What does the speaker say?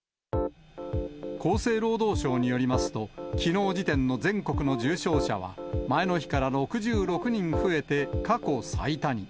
厚生労働省によりますと、きのう時点の全国の重症者は前の日から６６人増えて、過去最多に。